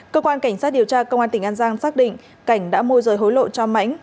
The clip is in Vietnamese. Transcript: cơ quan cảnh sát điều tra công an tỉnh an giang xác định cảnh đã môi rời hối lộ cho mãnh